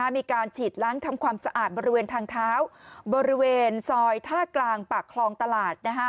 มีการฉีดล้างทำความสะอาดบริเวณทางเท้าบริเวณซอยท่ากลางปากคลองตลาด